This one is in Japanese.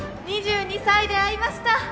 ２２歳で会いました